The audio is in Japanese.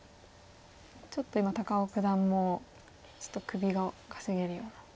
ちょっと今高尾九段もちょっと首をかしげるような。